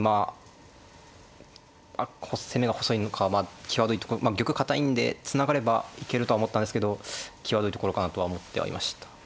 まあ攻めが細いのか際どいとこまあ玉堅いんでつながれば行けるとは思ったんですけど際どいところかなとは思ってはいました。